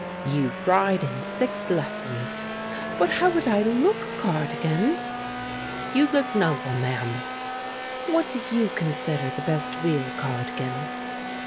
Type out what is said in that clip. "You'd ride in six lessons." "But how would I look, Cardigan?" "You'd look noble, ma'am!" "What do you consider the best wheel, Cardigan?"